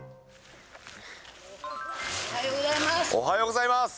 おはようございます。